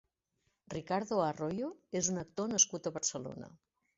Ricardo Arroyo és un actor nascut a Barcelona.